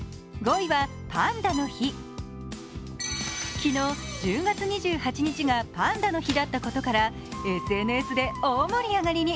昨日、１０月２８日がパンダの日だったことからＳＮＳで大盛り上がりに。